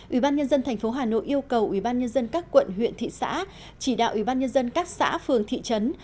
ủy ban nhân dân tp hà nội yêu cầu ủy ban nhân dân các quận huyện thị xã chỉ đạo ủy ban nhân dân các xã phường thị trấn